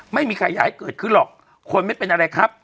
ไม่มีใครอยากให้เกิดขึ้นหรอกคนไม่เป็นอะไรครับ